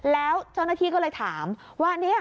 แล้วเจ้าหน้าที่ก็เลยถามว่า